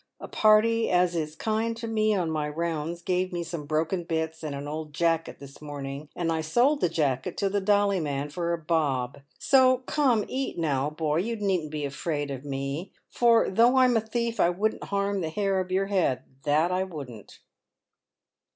A party as is kind to me on my rounds gave me some broken bits and an old jacket this morning, and I sold the jacket to the dolly man for a bob. So come, eat now, boy, you needn't be afraid of me ; for, though I'm a thief, I wouldn't harm the hair of your head — that I wouldn't."